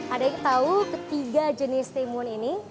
ada yang tahu ketiga jenis timun ini